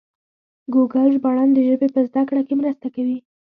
ګوګل ژباړن د ژبې په زده کړه کې مرسته کوي.